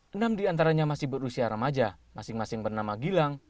enam diantaranya masih berusia remaja masing masing bernama gilang